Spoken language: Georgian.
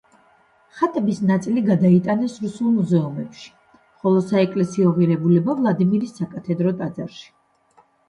ხატების ნაწილი გადაიტანეს რუსულ მუზეუმში, ხოლო საეკლესიო ღირებულება ვლადიმირის საკათედრო ტაძარში.